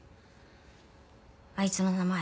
あいつの名前